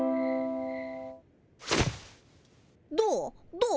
どう？